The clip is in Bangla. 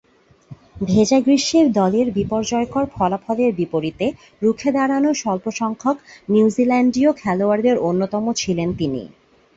ভেজা গ্রীষ্মে দলের বিপর্যয়কর ফলাফলের বিপরীতে রুখে দাঁড়ানো স্বল্পসংখ্যক নিউজিল্যান্ডীয় খেলোয়াড়ের অন্যতম ছিলেন তিনি।